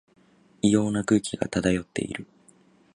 異様な空気が漂っている